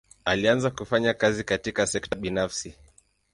Alianza kufanya kazi katika sekta binafsi.